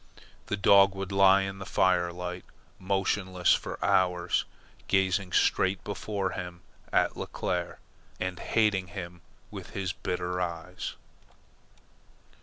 The dog would lie in the firelight, motionless, for hours, gazing straight before him at Leclere, and hating him with his bitter eyes.